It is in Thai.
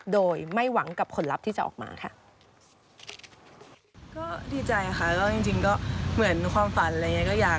โดยไม่หวังกับผลลัพธ์ที่จะออกมาค่ะ